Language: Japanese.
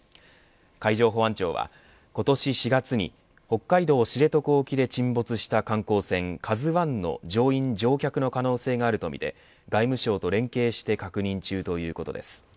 海上保安庁は、今年４月に北海道知床沖で沈没した観光船ＫＡＺＵ１の乗員乗客の可能性があるとみて外務省と連携して確認中ということです。